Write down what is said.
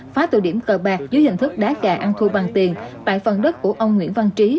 phá tụ điểm cờ bạc dưới hình thức đá gà ăn thu bằng tiền tại phần đất của ông nguyễn văn trí